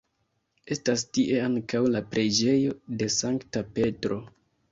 Estas tie ankaŭ la Preĝejo de Sankta Petro.